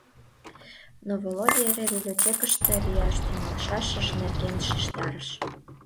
Но Володя эре библиотекыште лияш тӱҥалшашыж нерген шижтарыш.